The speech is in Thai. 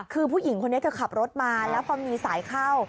คือผู้หญิงคนนี้เธอขับรถมาแล้วพอมีสายเข้า